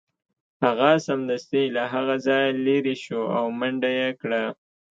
هغه سمدستي له هغه ځایه لیرې شو او منډه یې کړه